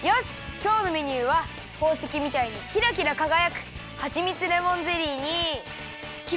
きょうのメニューはほうせきみたいにキラキラかがやくはちみつレモンゼリーにきまり！